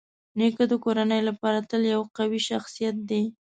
نیکه د کورنۍ لپاره تل یو قوي شخصيت دی.